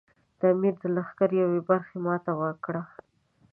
د امیر د لښکر یوې برخې ماته وکړه.